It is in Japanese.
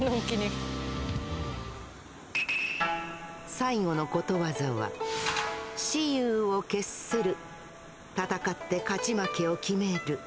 最後のことわざは戦って勝ち負けを決める。